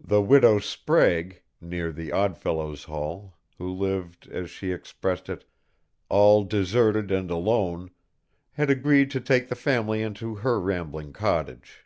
The widow Sprague, near the Odd Fellows' Hall, who lived, as she expressed it, "all deserted and alone," had agreed to take the family into her rambling cottage.